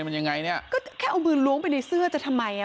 มันยังไงเนี้ยก็แค่เอามือล้วงไปในเสื้อจะทำไมอ่ะ